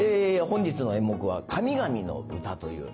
本日の演目は「神々の唄」という。